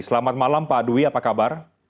selamat malam pak dwi apa kabar